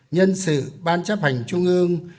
nhân sự ban chấp hành trung ương